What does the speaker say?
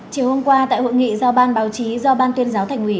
chiều hôm qua tại hội nghị giao ban báo chí do ban tuyên giáo thành ủy